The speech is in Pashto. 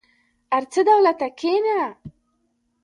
ارڅه دولته کينه.